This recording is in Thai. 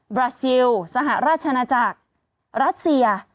บราซิลสหราชนาจักรรัสเซีย